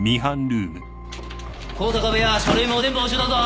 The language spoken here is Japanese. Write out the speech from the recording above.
香坂部屋書類も全部押収だぞ。